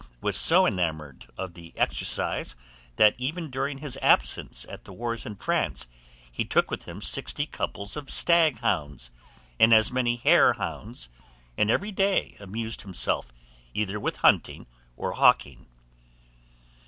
was so enamoured of the exercise, that even during his absence at the wars in France, he took with him sixty couples of stag hounds and as many hare hounds, and every day amused himself either with hunting or hawking.